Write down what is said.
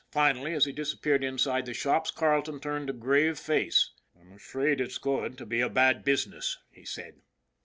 Finally, as he disappeared inside the shops, Carleton turned with a grave face. " I'm afraid it's going to be a bad business," he said.